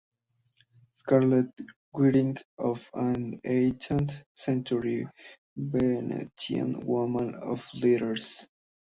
Selected writings of an eighteenth-century Venetian woman of letters.